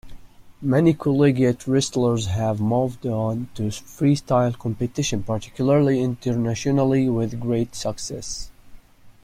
Many collegiate wrestlers have moved on to freestyle competition, particularly internationally with great success.